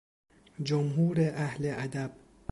جمهور اهل ادب